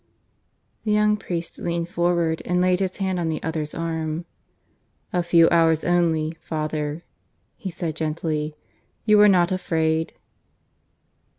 The young priest leaned forward and laid his hand on the other's arm. "A few hours only, father," he said gently. ... "You are not afraid?"